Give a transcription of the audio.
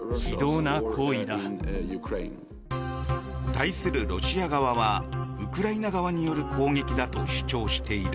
対するロシア側はウクライナ側による攻撃だと主張している。